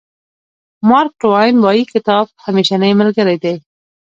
مارک ټواین وایي کتاب همېشنۍ ملګری دی.